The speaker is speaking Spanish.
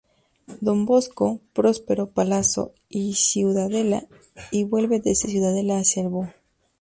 Don Bosco, Próspero Palazzo y Ciudadela y vuelve desde Ciudadela hacia el Bo.